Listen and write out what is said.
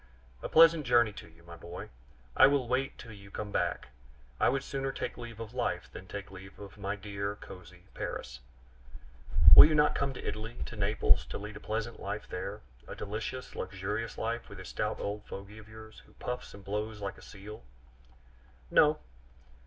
A pleasant journey to you, my boy! I will wait till you come back. I would sooner take leave of life than take leave of my dear, cozy Paris " "Will you not come to Italy, to Naples, and lead a pleasant life there a delicious, luxurious life, with this stout old fogey of yours, who puffs and blows like a seal?" "No."